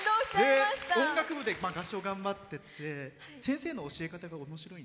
音楽部で合唱を頑張ってて先生の教え方がとても。